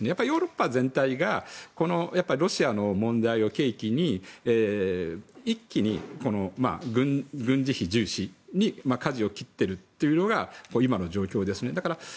ヨーロッパ全体がロシアの問題を契機に一気に軍事費重視にかじを切っているというのが今の状況ですね。